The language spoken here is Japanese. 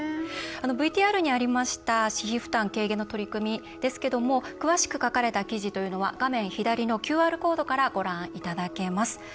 ＶＴＲにありました私費負担軽減の取り組みですが詳しく書かれた記事というのは画面左のＱＲコードからご覧いただけます。